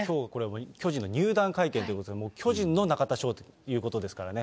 巨人の入団会見ということで、もう巨人の中田翔ということですからね。